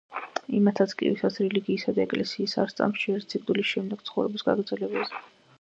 იმათაც კი, ვისაც რელიგიისა და ეკლესიის არ სწამთ, სჯერათ სიკვდილის შენდეგ ცხოვრების გაგრძელებაზე.